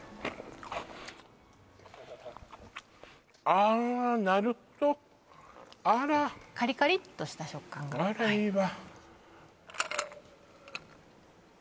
あーなるほどあらカリカリっとした食感があらいいわ